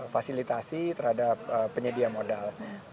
fasilitasi terhadap penyedia modal